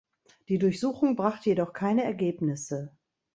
Die Durchsuchung brachte jedoch keine Ergebnisse.